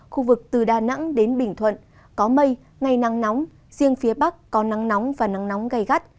khu vực từ đà nẵng đến bình thuận có mây ngày nắng nóng riêng phía bắc có nắng nóng và nắng nóng gây gắt